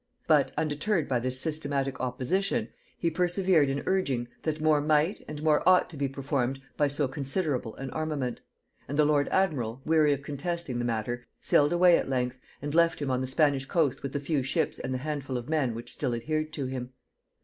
But undeterred by this systematic opposition, he persevered in urging, that more might and more ought to be performed by so considerable an armament; and the lord admiral, weary of contesting the matter, sailed away at length and left him on the Spanish coast with the few ships and the handful of men which still adhered to him.